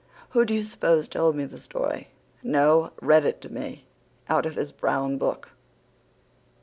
Who do you suppose told me the story no, read it to me, out of his brown book?"